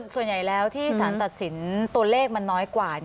ส่วนใหญ่แล้วที่สารตัดสินตัวเลขมันน้อยกว่า